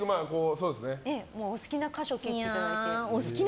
お好きな箇所を切っていただいて。